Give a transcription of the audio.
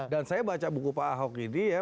dan saya baca buku pak ahok ini ya